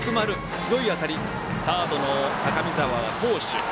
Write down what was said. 強い当たりサードの高見澤が好守。